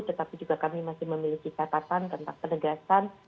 tetapi juga kami masih memiliki catatan tentang penegasan